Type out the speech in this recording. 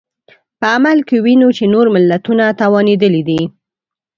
په عمل کې وینو چې نور ملتونه توانېدلي دي.